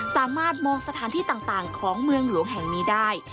สามารถมองสถานที่ต่างของเมืองหลวงแห่งนี้ได้